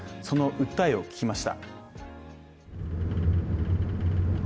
その訴えを聞きました。